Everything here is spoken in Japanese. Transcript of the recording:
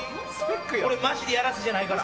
これマジでやらせじゃないから。